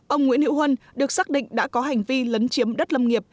ông nguyễn hữu huân được xác định đã có hành vi lấn chiếm đất lâm nghiệp